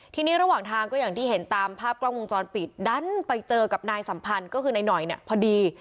ทีนี้ระหว่างทางก็อย่างที่เห็นตามภาพกล้องวงจรปิดดันไปเจอกับนายสัมพันธ์ก็คือนายหน่อยเนี่ยพอดี